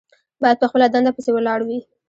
باید په خپله دنده پسې ولاړ وي.